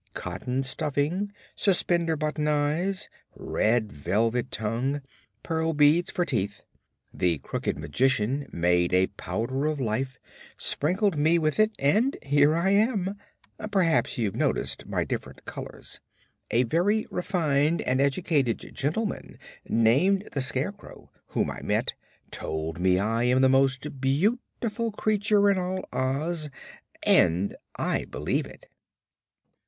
Cotton stuffing, suspender button eyes, red velvet tongue, pearl beads for teeth. The Crooked Magician made a Powder of Life, sprinkled me with it and here I am. Perhaps you've noticed my different colors. A very refined and educated gentleman named the Scarecrow, whom I met, told me I am the most beautiful creature in all Oz, and I believe it."